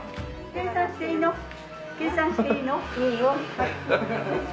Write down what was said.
計算していいの？